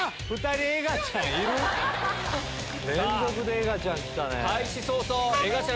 連続でエガちゃん来たね。